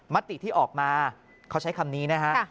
มติที่ออกมาเขาใช้คำนี้นะฮะ